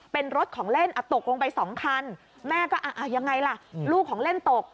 เป็นรถของเล่นตกลงไปสองคันแม่ก็ยังไงล่ะลูกของเล่นตก